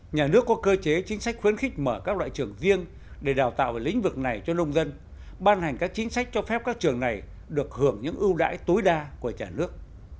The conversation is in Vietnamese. nhà nước có cơ chế chính sách khuyến khích mở các loại trường riêng để đào tạo về lĩnh vực này cho nông dân ban hành các chính sách cho phép các trường này được hưởng những ưu đãi tối đa của nhà nước